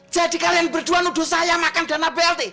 jadi kalian berdua nuduh saya makan dana blt